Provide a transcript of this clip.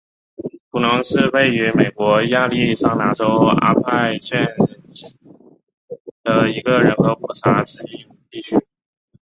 弗农是位于美国亚利桑那州阿帕契县的一个人口普查指定地区。